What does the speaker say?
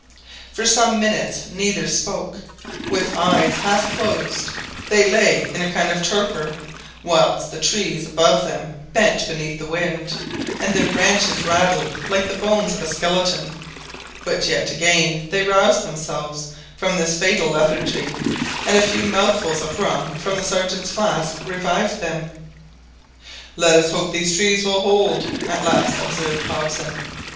For some minutes neither spoke. With eyes half closed they lay in a kind of torpor, whilst the trees above them bent beneath the wind, and their branches rattled like the bones of a skeleton. But yet again they roused themselves from this fatal lethargy, and a few mouthfuls of rum from the Sergeant's flask revived them. "Let us hope these trees will hold," at last observed Hobson.